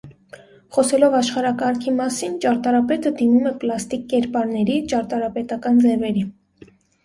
Խոսելով աշխարհակարգի մասին՝ ճարտարապետը դիմում է պլաստիկ կերպարների, ճարտարապետական ձևերի։